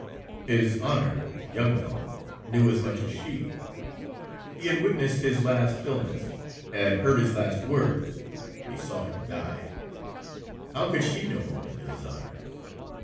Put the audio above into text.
His honor (young Melmoth) knew as much as she,—he had witnessed his last illness, had heard his last words, he saw him die,—how could she know more than his honor.'